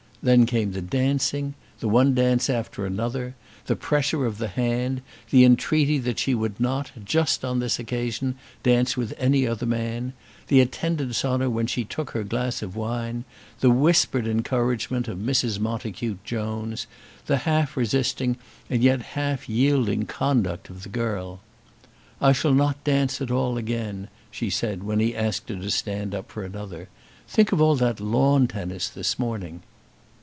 Then came the dancing, the one dance after another; the pressure of the hand, the entreaty that she would not, just on this occasion, dance with any other man, the attendance on her when she took her glass of wine, the whispered encouragement of Mrs. Montacute Jones, the half resisting and yet half yielding conduct of the girl. "I shall not dance at all again," she said when he asked her to stand up for another. "Think of all that lawn tennis this morning."